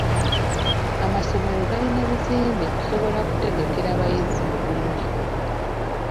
Amasomero tegalina bizimbe kusobola kutegekera bayizi bulungi.